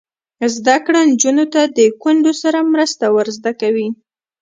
زده کړه نجونو ته د کونډو سره مرسته ور زده کوي.